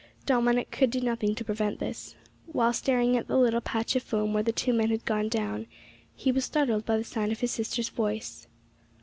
Dominick could do nothing to prevent this. While staring at the little patch of foam where the two men had gone down, he was startled by the sound of his sister's voice.